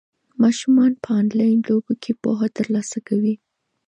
ماشومان په انلاین لوبو کې پوهه ترلاسه کوي.